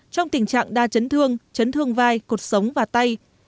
trong tình trạng đa chấn thương chấn thương vai cuộc sống và tay